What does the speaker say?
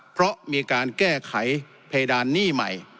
เพราะมีการแก้ไขเพดานหนี้ใหม่